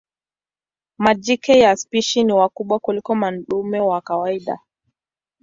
Majike ya spishi ni wakubwa kuliko madume kwa kawaida.